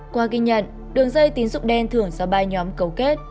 qua ghi nhận đường dây tín dụng đen thưởng do ba nhóm cấu kết